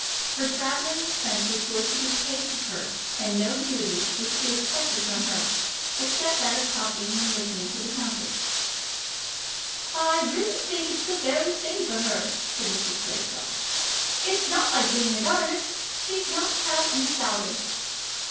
Her travelling expenses were to be paid for her, and no duties were to be expected from her, except that of talking and listening to the countess. "I really think it's the very thing for her," said Mrs. Greystock. "It's not like being a governess. She's not to have any salary."